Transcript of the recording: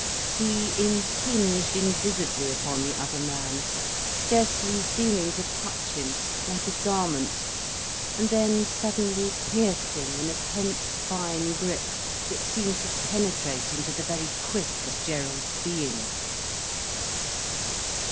He impinged invisibly upon the other man, scarcely seeming to touch him, like a garment, and then suddenly piercing in a tense fine grip that seemed to penetrate into the very quick of Gerald's being.